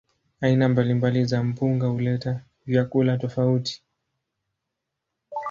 Aina mbalimbali za mpunga huleta vyakula tofauti.